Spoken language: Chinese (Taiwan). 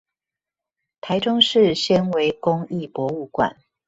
臺中市纖維工藝博物館